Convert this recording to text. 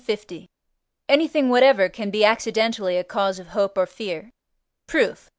L. Anything whatever can be, accidentally, a cause of hope or fear. Proof.